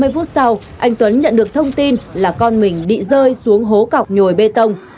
ba mươi phút sau anh tuấn nhận được thông tin là con mình bị rơi xuống hố cọc nhồi bê tông